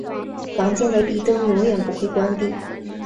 房间的壁灯永远不会关闭。